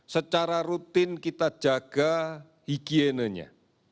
secara rutin kita jaga higienenya